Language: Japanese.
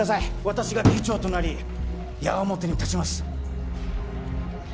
私が議長となり矢面に立ちます